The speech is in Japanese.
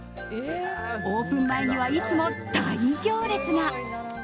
オープン前には、いつも大行列が。